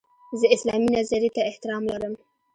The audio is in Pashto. زه اسلامي نظرې ته احترام لرم.